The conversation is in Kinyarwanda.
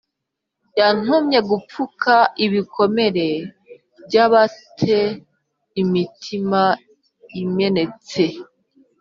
Yantumye gupfuka ibikomere by aba te imitima imenetse